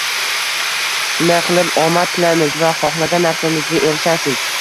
Shunday qilib, omad tilaymiz va xohlagan narsangizga erishasiz